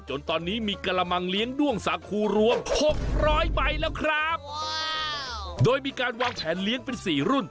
จนตอนนี้มีกระมังเลี้ยงด้วงสาคูรวมหกร้อยใบแล้วครับโดยมีการวางแผนเลี้ยงเป็นสี่รุ่น